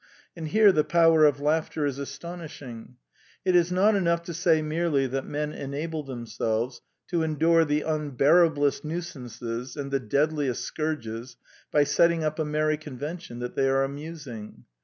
And here the power of laughter is astonishing. It is not enough to say merely that men enable them selves to endure the unbearablest nuisances and the deadliest scourges by setting up a merry con vention that they are amusing.